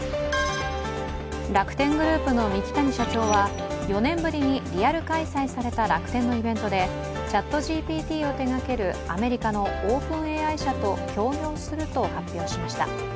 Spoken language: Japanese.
楽天グループの三木谷社長は４年ぶりにリアル開催された楽天のイベントでＣｈａｔＧＰＴを手がけるアメリカのＯｐｅｎＡＩ社と協業すると発表しました。